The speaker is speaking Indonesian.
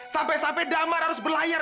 sampai sampai damar harus berlayar